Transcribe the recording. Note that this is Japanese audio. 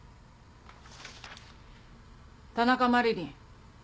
田中麻理鈴。